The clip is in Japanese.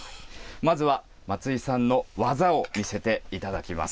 まずは松井さんの技を見せていただきます。